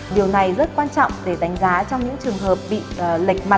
điều này rất quan trọng để đánh giá trong những trường hợp bị lệch mạ